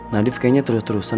nadif kayaknya terus terusan